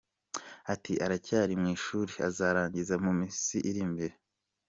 Ati “Aracyari mu ishuri, azarangiza mu minsi iri imbere.